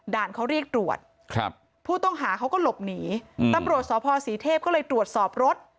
เขาเรียกตรวจครับผู้ต้องหาเขาก็หลบหนีตำรวจสพศรีเทพก็เลยตรวจสอบรถ